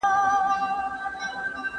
زه کولای سم دا موضوع وڅېړم.